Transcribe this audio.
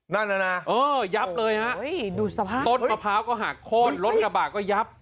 นั่นนะโอ้ยยับเลยนะต้นมะพร้าวก็หักโค้ดรถกระบาก็ยับ